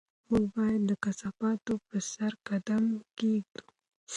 موږ باید د کثافاتو په سر قدم کېږدو.